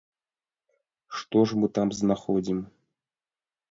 Што ж мы там знаходзім?